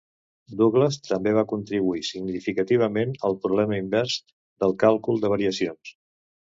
Douglas també va contribuir significativament al problema invers del càlcul de variacions.